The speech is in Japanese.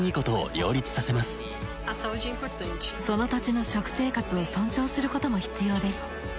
その土地の食生活を尊重することも必要です。